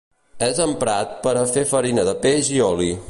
És emprat per a fer farina de peix i oli.